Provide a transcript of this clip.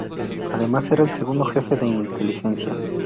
Además era el Segundo Jefe de Inteligencia.